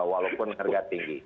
walaupun harga tinggi